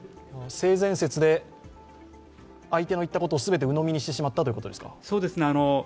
性善説で相手の言ったことを鵜呑みにしてしまったということですか。